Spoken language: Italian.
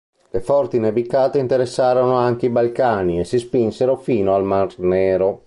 Le forti nevicate interessarono anche i Balcani e si spinsero fino al Mar Nero.